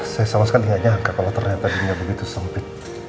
saya sama sekali ingatnya kalau ternyata dunia begitu sempit